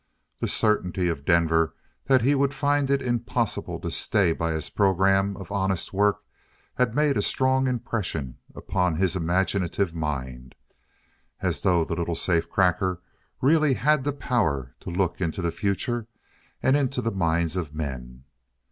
The certainty of Denver that he would find it impossible to stay by his program of honest work had made a strong impression upon his imaginative mind, as though the little safecracker really had the power to look into the future and into the minds of men.